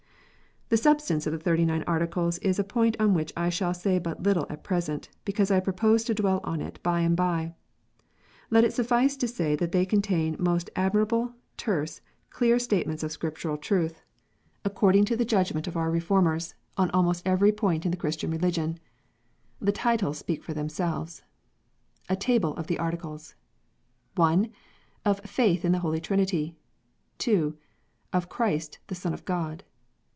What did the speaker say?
The substance of the Thirty nine Articles is a point on which I shall say but little at present, because I propose to dwell on it by and by. Let it suffice to say that they contain most admirable, terse, clear statements of Scriptural truth, according THE THIRTY NINE ARTICLES. 67 to the judgment of our Reformers, on almost every point in the The titles speak for themselves : Christian religion. A Table of the Articles. 1. Of Faith in the Holy Trinity. 2. Of Christ the Son of God.